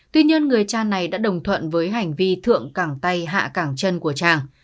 tuy nhiên người cha này đã đồng thuận với hành vi thượng cẳng tay hạ cẳng chân của trang